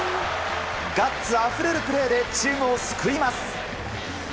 ガッツあふれるプレーでチームを救います。